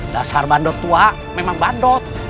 dasar bandot tua memang bandut